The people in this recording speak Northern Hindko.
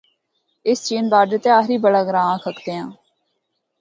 اس چین باڈر تے آخری بڑا گراں آکھ ہکدیاں ہاں۔